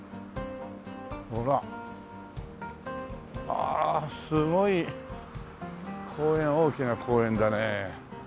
ああすごい公園大きな公園だね。